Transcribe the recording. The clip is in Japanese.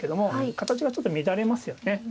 形がちょっと乱れますよね。